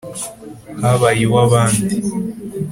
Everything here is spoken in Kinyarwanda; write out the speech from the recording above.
Habaye iw'abandi